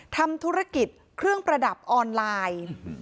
ทำธุรกิจเครื่องประดับออนไลน์